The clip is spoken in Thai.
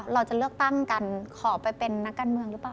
เราจะเลือกตั้งกันขอไปเป็นนักการเมืองหรือเปล่า